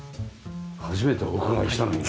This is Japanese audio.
初めてお伺いしたのにね。